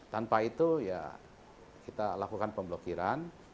tanpa itu ya kita lakukan pemblokiran